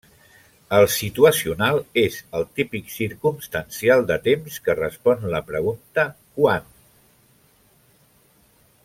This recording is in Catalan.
El situacional és el típic circumstancial de temps que respon la pregunta quan?